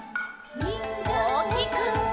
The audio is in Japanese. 「にんじゃのおさんぽ」